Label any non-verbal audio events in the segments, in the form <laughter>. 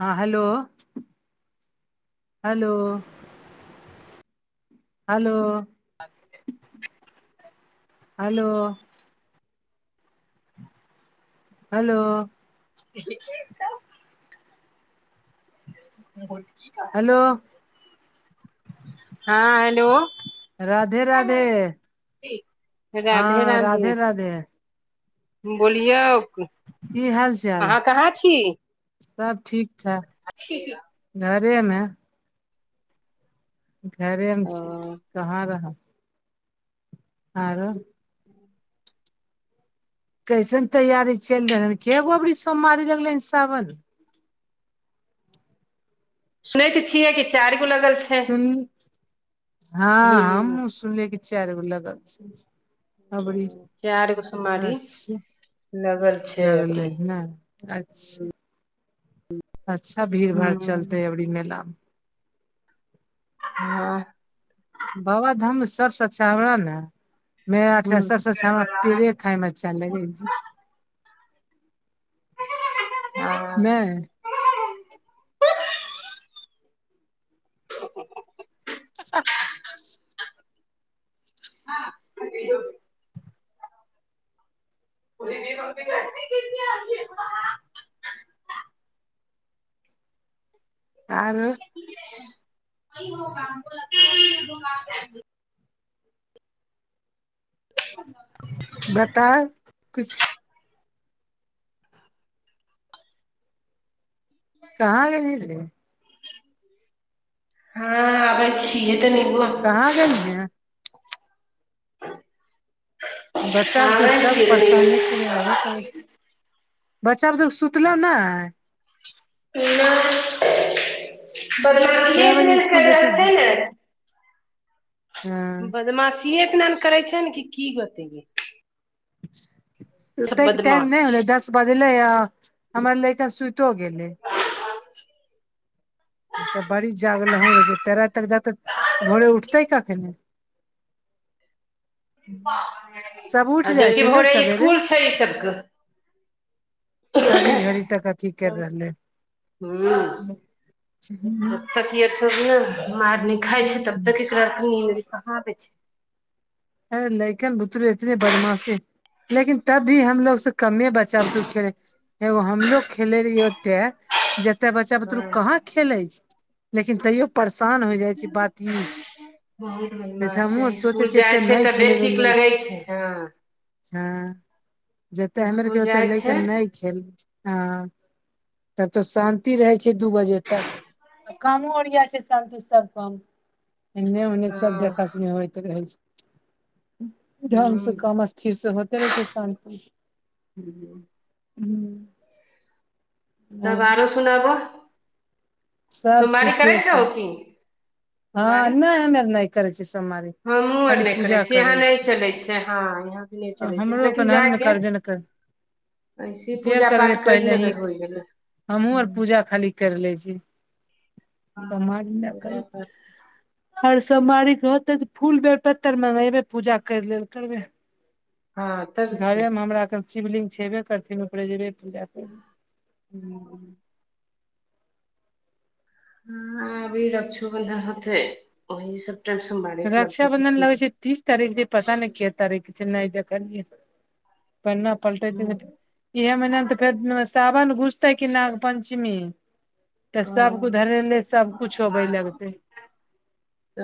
हँ hello hello hello hello hello देखी त हेलो हँ हेलो राधे राधे राधे राधे ह राधे बोलियौ की हाल चाल अहाँ कहाँ छी सब ठीक ठाक <unintelligible> घरेमे घरे मे ओ छी कहाँ रहबै आरो ह्म कैसन तैयारी चलि रहल हन केगो अबरी सोमवारी लगले हन सावन मे सुनैत छियै कि चारि गो लगल छै सुन हू हँ हमूँ सुन लियै की चार गो लगल छै अबरी चारि गो सोमवारी अच्छा लगल छै अभी लगलै ह अच्छा अच्छा भीड़ हूं भाड़ चलतै अबरी मेलामे हँ बाबा धाम सबस अच्छा हमरा ने मेराठ हूं सबस अच्छा हमरा पे खाय म अच्छा लगैत छै नहि ह <unintelligible> <inaudible> <inaudible> आरो <inaudible> <inaudible> बता कहाँ गेल्ही रे <inaudible> हँ अे छियए तऽ निकब काहाँ गेल्ही हे बच्चा बूत्तर क आबै सब छियै तनी परेशाने अकेले रहबे करै छै बच्चा <unintelligible> सुतलो नय <inaudible> बदमासीए कै एतने बजे स्कुल कर जेतौ रहल छै ने हँ बदमाशिए इतना ने करै छै ने कि की बताइए सब ओतैक टाइम नय बदमाश होलै छै दस बजले य हमर लेइका सुतो गेलै सब बारिश जागेलँ रहै छै ते राति तक जात भोरे उठतै कखन <inaudible> सब उठि <inaudible> जाइ जबकि छै ने भोरे सबेरे इसकुल छै ई सबके तभी घड़ी तक अथी कर रहले ह <inaudible> <inaudible> घाय छै तब तक एकरा कहाँ आबे छै अर लेइकन बुतरू इतने बदमाशी लेकिन तब भी हमलोग से कमे बच्चा बूत्तरू <unintelligible> एगो हम लोग खेले रहियै ओते जते बच्चा बुतरु हँ कहाँ खेलै छै लेकिन तैयो परेशान हो जाइ छै बात ई बहुत नय तऽ बदमाश हमहु छै आर सोचै इसकुल छियै जाइ छै नय तबे खेल रहू ठीक लेके लगै छै हँ ह जतेक हमे इसकुल अरके ओते जाइ लेके छै नय खेल हँ तब तऽ शान्ति रहै छै दू बजे तक आ कामो ओरिया छै शान्ति स सब काम एने ओने सब हँ देख सुने होइत रहै छै ढङंग से ह कम स्थिर से होते रहै छै शान्ति स हू तब आरो सुनाबो सब सोमवारी करै ठीके छै छहो की हँ सोमवारी नय हमेअर नय करै छीयै सोमवारी हमहुँ आर खाली नहि पूजा छियै करै यहाँ नहि छी चलै छै हँ यहाँ भी नहि चलै छै हमरो <unintelligible> क लेकिन हम ने जायके करबे ने ऐसे करबती जे पूजा करबे पाठ करि पहिले ही लेबै होइ गेलै हमहुँ आर पूजा खाली कर ले छी समाज ने पूजा करे छी पाठ हर सोमवारी के होते त फूल बेल पत्तर मंगेबे पूजा कर लेल करबै हँ तब की घरेमे हमरा कन शिवलिंगग छेबे करथिन ओकरे जेबे पूजा कर <inaudible> हँ अभी रक्ष बन्धन होतै ओहि सबटा सोमबारे क लगतै क की लग तारिख छै पता नय के तारिख छै नय देखलिए पन्ना पलटे थिन इएहे महीना ने तऽ फेर सावन घुसतै की नाग पंचमी तऽ सबक ह धरने सब कुछु होबे लगतै <inaudible>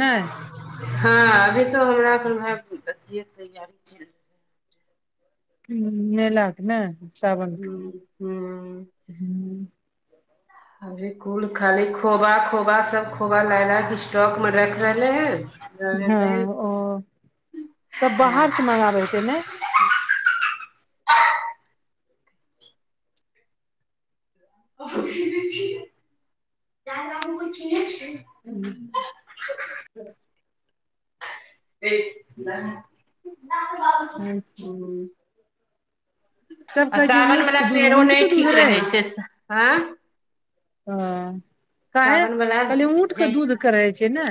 नहि हँ अभी तो हमरा सभहक अथिए क तैयारी ह मेलाके ने सावनके हूँ हूँ हू <unintelligible> अभे कुल खाली खोबा खोबा सब खोबा लाय स्टॉक में राख रहले है हँ ओ सब बाहर से मंगाबै हेतै ने <unintelligible> <unintelligible> <unintelligible> <unintelligible> <unintelligible> हूँ सब आ कहै छै सावन वला ऊटके दूध पेड़ो नहि ऊटके दूध ठीक रहै छै आँ ह काहे सावन वला कहली ऊट कऽ जैस दूध कऽ रहे छै ने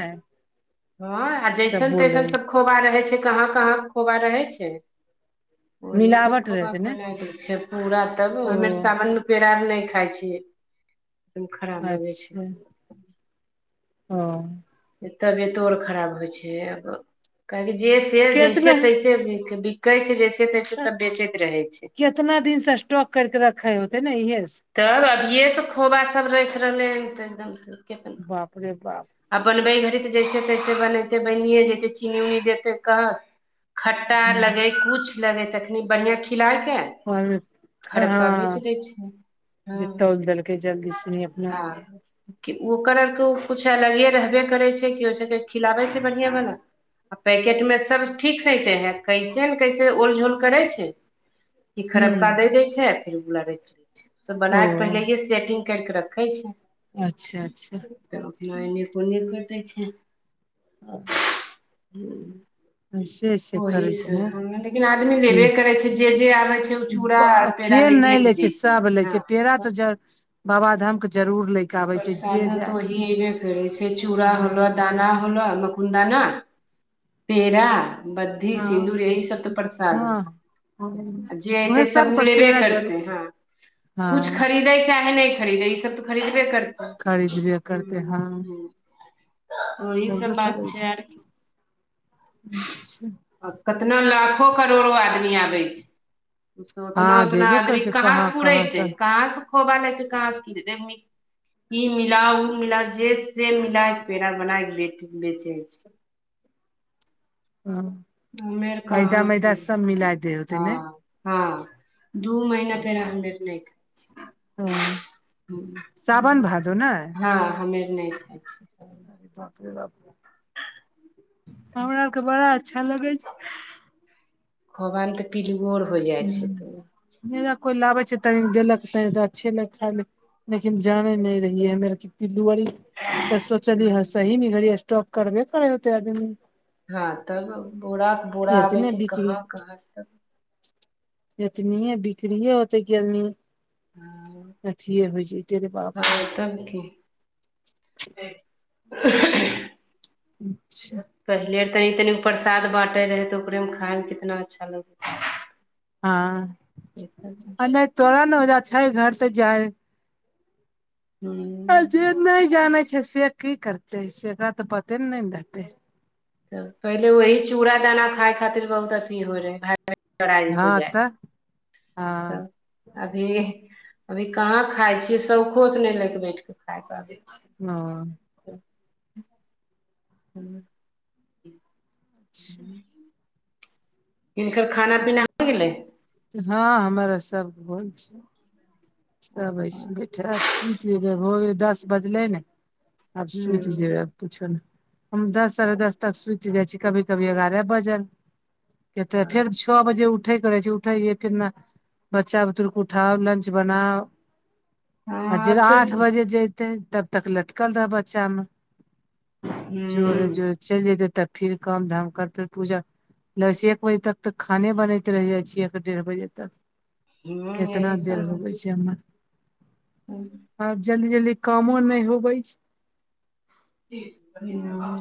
हँ आ सब जैसन बोलै तैसन सब खोबा रहै छै कहाँ कहाँ खोबा रहै छै ओही सब मिलावट खोबाका रहतै ने खोना छै पूरा तब ओ हमेर सावन पेड़ार नहि खाइ छियै एकदम खराब लगै छै अच्छा ओ तबियतो आर खराब होइ छै आब काहेकि जे से केतना जैसे तैसे कहै छै जैसे तैसे सब बेचैत रहै छै उतना दिन से स्टॉक करके रखे होते नऽ इहे तब अभियय सऽ खोबा सब राख रहले हन ते एकदम बापरे बाप आ बनबै घड़ी तऽ जैसे तैसे बनतै बनिए जतै चीनी उनी जेतै कहस खट्टा लगे कुछ लगे तखनी बढ़िियाँ खिलाायके हँ छै हँ तौल देलकै जल्दी सुनि अपना हँ कि ओकर अरके किछु अलगे रहबे करै छै कि ओहि सभके खिलाबै छै बढ़िआँ बला आ पैकेट में सब ठीक सेहेते हैं कैसे ने कैसे ओल झोल करै छै कि हू खरबका दे देय छै आ फेर उला रख ले छै सब ओ बना के पहिले सेटिंग करके रखे छी अच्छा अच्छा तऽ अपना एने ओने कटै छै <unintelligible> <unintelligible> छै छैे ओहि करै से छैले लेकिन आदमी लेबे करै छै जे जे आबै छै ओ चूड़ा <unintelligible> पेड़ा के नहि लैये ले के छै जैतै सब ले हँ छै पेड़ा तो ज बाबा धाम के जरूर ले छै जे प्रसादो तो जाय ही बे करे से चूड़ा हँ होलो दाना <unintelligible> मकुदाना पेरा बधी हँ सिन्दूर एह सब तऽ प्रसाद हो हँ हँ। आ जे उहे अयतै सभ सब कोइ ओ लेबे पेड़ा जरूर करतै हँ हँ द चाहे नऽ नहि खरीदे ई सब तऽ खरीदबे करतै खरीीदबे करतै हँ ओ ई सब करबे बात करै छै आर की अच्छा आ कितना लाखो करोड़ो आदमी आबै छै उतना हँ उतना जेबे करै आदमी छै कहाँ से सँ पूड़ेत कहाँ से खोबा लेत कहाँ से कीे ई मिला ओ मिला जे से मिल के पेड़ा बना के बे बेचे छै ह हमे आर कहाँ अैदा मदाा सब मिलय दौ होतो ने हँ हँ दू महीना पेड़ा हमे नहि हँ सावन भादो ने हँ हमेर नहि खाय छियै अरे बाप रे बाप <unintelligible> हमरा आरके बड़ा अच्छा लगै छै। होबा तऽ पिलुओ आओर हो जाइ छै तऽ नय कोइ लाबै छै तनी देलक तछक खाय लक लेकिन जानै नय रहीयै की हमे आर क पिल्लू आरी तऽ सोचलिय ह सही मे घड़ी स्टॉप करबे करय होतै अदमी हँ तब बोरा के बोरा आबै एतने छै बिक्री कहाँ कहाँ से जतनीऐ बिकरीऐ होतै की अदमी अथिए हो जैतै की रे बाप आओर तबकी <inaudible> अच्छा पहिले तनी तनि प्रसाद बाँटे रहै तऽ ओकरेमे खाायमे कितना अच्छा लगै हँ आ नय तोरा ने ओज छै घर तऽ जाइ आ जे हूँ नहि जाने छै से की करते से एकरा तऽ पते ने ने ने रहते तऽ पहिले वही चूड़ दाना खाय खातिर बहुत अथी होय रहै चइ <unintelligible> हँ जाइ तऽ तऽ हँ अभी अभी कहाँ खाय छियै शौखो से नहि लऽ के बैठ के खाय पाबै छी हँ हूँ अच्छा <inaudible> हिनकर खाना पीना हो गेलै हँ हमरा सबके होल छै सब ऐसे बैठे सुति जेबै भऽ गेल दस बजलै ने आब हूँ सुति जेबै आब कुछो नय हम दस साढ़े दस तक सुति जाइ छी कभी कभी एगारह बजल के तऽ फेर हँ छओ बजे उठे करे छी उठे कितना बच्चा बुदरूके उठाउ लंच बनाउ आब तऽ आठ बजे जतै तब तक लटकल रहब बच्चामे जोरे हूँ जोर चलि जेते तब फिर काम धाम करते पूजा लगै छै एक बजे तक तऽ खाने बनैत रहि जाइ छियै एक डेढ़ बजे तक हूँ एतना यही देर होबै छै हमर हूँ आर जल्दी जल्दी कामो नय होबै छै हुँ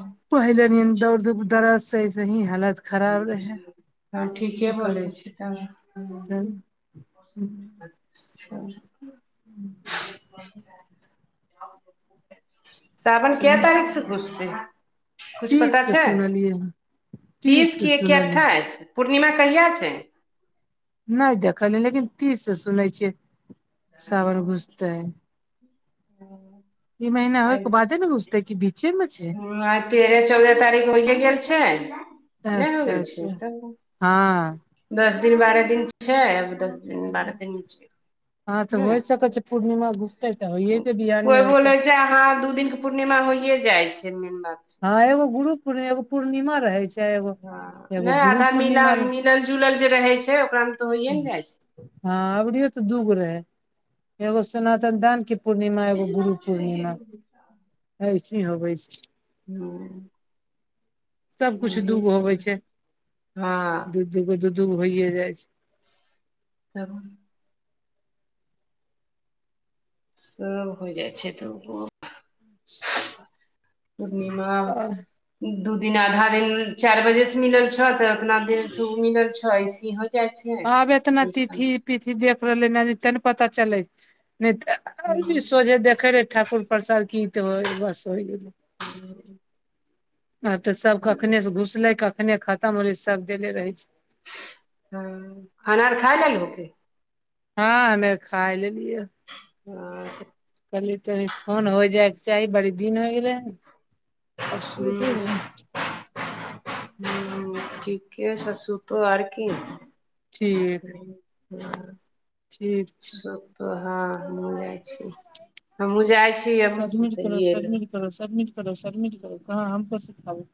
<inaudible> पहिल न दौड़ धूप दरद से ऐसेहीं हालत खराब रहै हँ ठीके बोलै छी तब हुँ अच्छा <inaudible> साावन कै तारीख से खुजतेै कुछ तीस पता से छै सुनलियै हँ तीस से के की सुनलियै अठ्ठाइस पूर्णिमा कहिया छै नय देखलियै लेकिन तीस से सुनै छियै सावन घुसतै <inaudible> ई महीना होय आइ के बादे ने घुसतै की बीचे मे छै हूँ आइ तेरह चौदह तारीख होइे गेल छै नहि हो अच्छा गेल छै अच्छा तब हँ दस दिन बारह दिन छै अभ हँ तऽ होइ हूँ सकै छै पूर्णिमा घुसते तऽ होइेत बिहानी होइके ा ह दू दिननक के पूर्णिमा होइये जाइ छै मेन बात छै हँ एगो गुरु पूर् एगो पूर्णिमा रहै छै एगो हँ एगो नहि गुरु आधा मिल पूर्णिमा रह मिलल जुलल जे रहै छै ओकरा मे तऽ होइए नऽ जाइ छै हँ अबरियो तऽ दूगो रहै एगो सनातन दान के पूर्णिमा एगो गुरु छै पूर्णिमा ऐसे होवे छै हू सब कुछु दूगो होवे सब छै हँ दू दूगो दू दूगो होइे जाइ छै <unintelligible> सब हो जाइ छै तऽ ओ अच्छा पूर्णिमा दू दिन आधा दिन चारि बजे से मिलल छौ तऽ उतना देिन सऽ उऽ मिलल छ ऐसे ह आब एतना तीथि पीी देख रहले नदी ते ने पता चलैी हँ सोझे देखे रहे ठ प्रसार की त हो बस हो गेल आब तऽ सब कखने से घुसले कखने खतम होले सब देेले रहै छै हँ खाना आर खा लेलहो कि हँ हमे खा लेलियए हँ कहली तनि फोन हो जाइके चाही बड़ी दिन होय गेलै हन हू हू ठीके छै सूतय तो आर की ठीक <unintelligible> ठीक छै सब तऽ उहाय हो जाइ छैय हमहुँ जाइ छी अब सुतय लऽ कर समिट कर समिट कर <unintelligible>